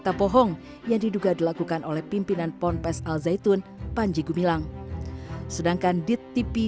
berita bohong yang diduga dilakukan oleh pimpinan ponpes al zaitun panji gumilang sedangkan di tv